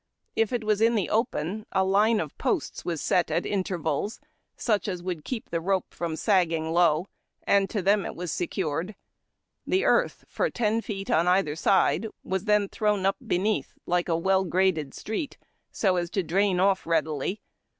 If it was in the open, a line of posts was set at intervals, sncli as would keep the rope from sagging low, and to them it was secured. The earth for ten feet on either side was then thrown up beneath like a well graded street, so as to drain off readily.